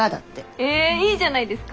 えいいじゃないですか。